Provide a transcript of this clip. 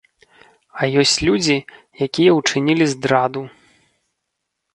А ёсць людзі, якія ўчынілі здраду.